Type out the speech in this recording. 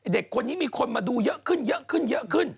เด็กคนนี้มีคนมาดูเยอะขึ้นเยอะขึ้นเยอะขึ้น